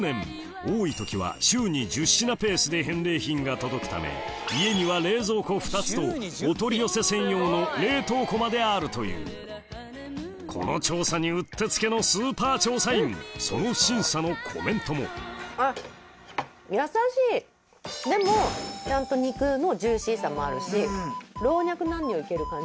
多いときは家には冷蔵庫２つとお取り寄せ専用の冷凍庫まであるというこの調査にうってつけのスーパー調査員その審査のコメントもでもちゃんと肉のジューシーさもあるし老若男女いける感じ。